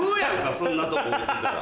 そんなとこ置いてたら。